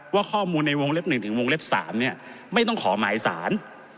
ว่าข้อมูลในวงเล็บ๑ถึงวงเล็บ๓ไม่ต้องขอหมายสาร